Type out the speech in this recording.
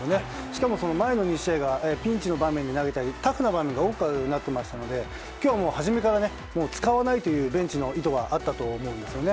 しかも前の２試合がピンチの場面で投げたりタフな場面が多くなっていましたので今日は初めから使わないというベンチの意図があったと思います。